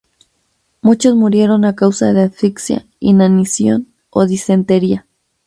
Muchos murieron a causa de asfixia, inanición o disentería.